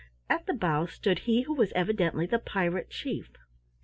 At the bow stood he who was evidently the Pirate Chief.